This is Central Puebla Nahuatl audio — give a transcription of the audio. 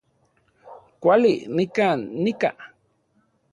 Kuali, nikan nika